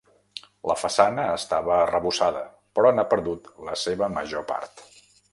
La façana estava arrebossada però n'ha perdut la seva major part.